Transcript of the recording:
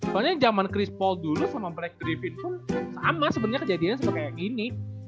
soalnya jaman chris paul dulu sama brad griffin pun sama sebenernya kejadiannya seperti yang ini